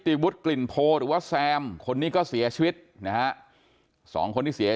วุฒิกลิ่นโพหรือว่าแซมคนนี้ก็เสียชีวิตนะฮะสองคนที่เสีย